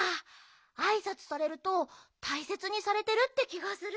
あいさつされるとたいせつにされてるってきがする。